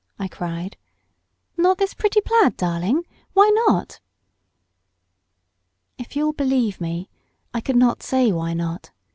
I cried. "Not this pretty plaid, darling? Why not?" If you'll believe me, I could not say why not.